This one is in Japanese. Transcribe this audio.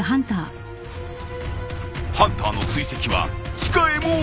ハンターの追跡は地下へも及ぶ。